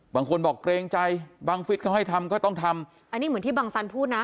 บางคนบอกเกรงใจบังฟิศเขาให้ทำก็ต้องทำอันนี้เหมือนที่บังสันพูดนะ